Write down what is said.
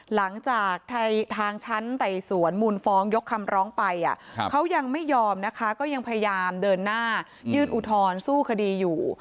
หลังจากทางชั้นไต่สวนมูลฟ้องยกคำร้องไปเขายังไม่ยอมนะคะก็ยังพยายามเดินหน้ายื่นอุทธรณ์สู้คดีอยู่